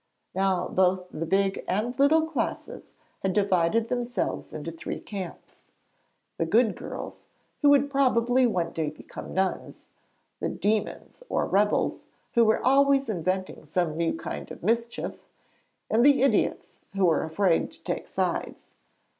Now both the big and little classes had divided themselves into three camps: the 'good' girls, who would probably one day become nuns; the 'demons,' or rebels, who were always inventing some new kind of mischief; and the 'idiots,' who were afraid to take sides.